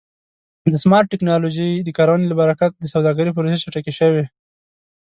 د سمارټ ټکنالوژۍ د کارونې له برکت د سوداګرۍ پروسې چټکې شوې.